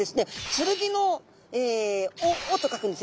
「剣」の「尾」と書くんですね。